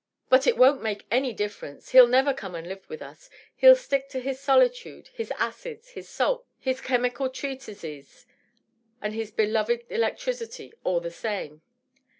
But it won't make any difference. He'll never come and live with us — he'll stick to his solitude, his acids, his salts, his chemical treatises and his beloved electricity, all the same